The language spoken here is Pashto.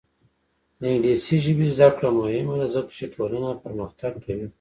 د انګلیسي ژبې زده کړه مهمه ده ځکه چې ټولنه پرمختګ کوي.